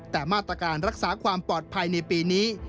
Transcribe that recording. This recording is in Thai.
แต่มาตรการรักษาความปลอดภัยในปีนี้